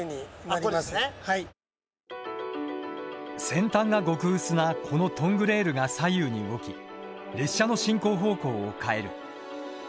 先端が極薄なこのトングレールが左右に動き列車の進行方向を変える。